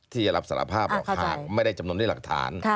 ที่จะรับสารภาพออกหากไม่ได้จำนวนด้วยหลักฐาน